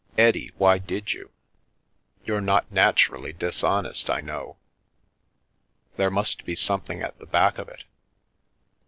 Eddie, why did you? You're not naturally dishonest, I know. There must be something at the back of it."